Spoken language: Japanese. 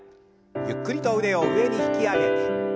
ゆっくりと腕を上に引き上げて。